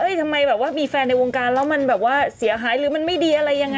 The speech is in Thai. ทำไมแบบว่ามีแฟนในวงการแล้วมันแบบว่าเสียหายหรือมันไม่ดีอะไรยังไง